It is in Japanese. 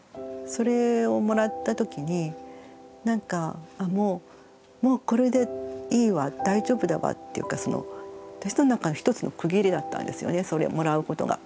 それをもらったときになんかもうこれでいいわ大丈夫だわっていうか私の中の一つの区切りだったんですよねそれをもらうことが。